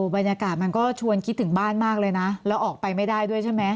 บรรยากาศมันก็ชวนคิดถึงบ้านมากเลยนะแล้วออกไปไม่ได้ด้วยใช่ไหม